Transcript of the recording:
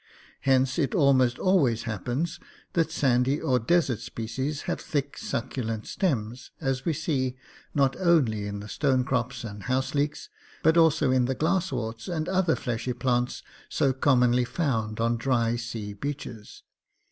Hence it almost always happens that sandy or desert species have thick, succulent stems, as we see not only in the stone crops and house leeks, but also in the glassworts and other fleshy plants so commonly found on dry sea beaches.